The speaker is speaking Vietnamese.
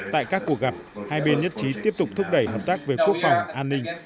tại các cuộc gặp hai bên nhất trí tiếp tục thúc đẩy hợp tác về quốc phòng an ninh